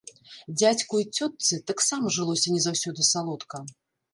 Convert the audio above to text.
Дзядзьку і цётцы таксама жылося не заўсёды салодка.